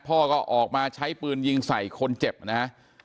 พ่อก็ออกมาใช้ปืนยิงใส่คนเจ็บนะฮะ